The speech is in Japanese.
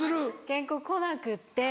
原稿来なくって。